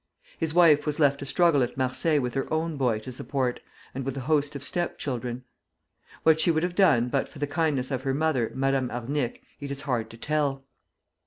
His wife was left to struggle at Marseilles with her own boy to support, and with a host of step children. What she would have done but for the kindness of her mother, Madame Arnic, it is hard to tell.